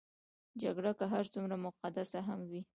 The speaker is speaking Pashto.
جګړه که هر څومره مقدسه هم وي.